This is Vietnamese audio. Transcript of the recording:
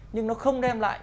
nhưng nó không đem lại